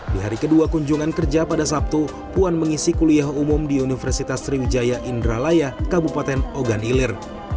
di hari kedua kunjungan kerja pada sabtu puan mengisi kuliah umum di universitas sriwijaya indralaya kabupaten ogan ilir